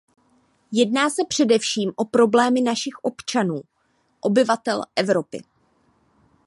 Jedná se především o problémy našich občanů, obyvatel Evropy.